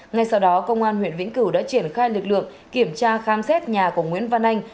ngay sau đó công an huyện vĩnh cửu đã triển khai lực lượng kiểm tra khám xét nhà của nguyễn văn anh